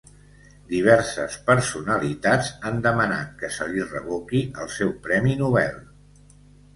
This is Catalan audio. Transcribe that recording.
Diverses personalitats han demanat que se li revoqui el seu Premi Nobel.